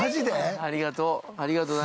ありがとう。